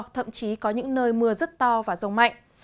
thậm chí có những nơi mưa rất to và rông mạnh